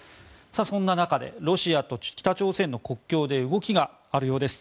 そんな中でロシアと北朝鮮の国境で動きがあるようです。